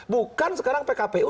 bukan sekarang pkpu